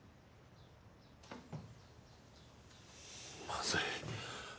まずい。